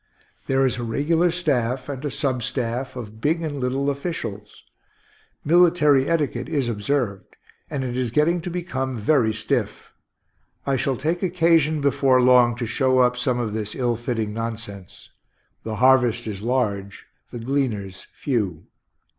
There is a regular staff and a sub staff of big and little officials. Military etiquette is observed, and it is getting to become very stiff. I shall take occasion, before long, to show up some of this ill fitting nonsense. The harvest is large, the gleaners few.